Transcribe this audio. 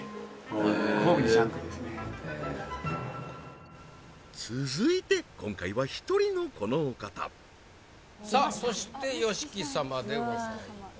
へえー続いて今回は１人のこのお方さあそしてＹＯＳＨＩＫＩ様でございます